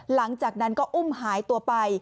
หลังจากนั้นก็อุ้มหายตัวไป